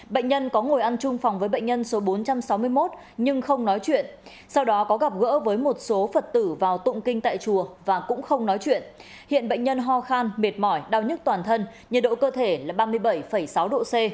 bệnh nhân không tiếp xúc trực tiếp với bệnh nhân số bốn trăm sáu mươi một